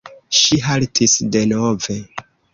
Ŝi haltis denove.